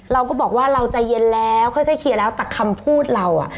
เราก็บอกว่าเราใจเย็นแล้วค่อยเคลียร์แล้วแต่คำพูดเราอ่ะ